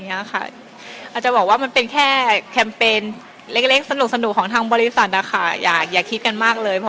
อาจจะบอกว่ามันเป็นแค่แคมเปญเล็กสนุกของทางบริษัทนะคะอย่าคิดกันมากเลย